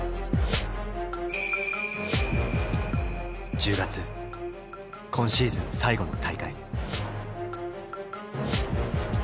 １０月今シーズン最後の大会。